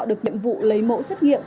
được nhiệm vụ lấy mẫu xét nghiệm